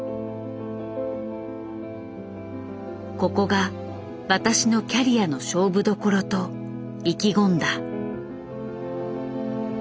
ここが私のキャリアの勝負どころと意気込んだ。